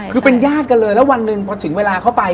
คือเป็นญาติกันเลยแล้ววันหนึ่งพอถึงเวลาเข้าไป